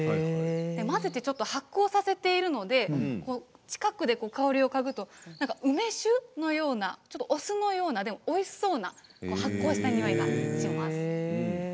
混ぜてちょっと発酵させているので近くで香りを嗅ぐと梅酒のような、お酢のようなおいしそうな発酵したにおいがします。